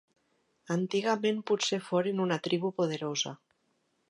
Antigament potser foren una tribu poderosa.